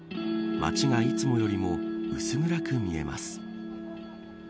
街がいつもよりも薄暗く見えます。